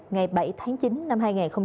ngày bảy tháng chín năm hai nghìn hai mươi